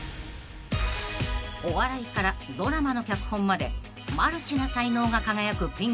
［お笑いからドラマの脚本までマルチな才能が輝くピン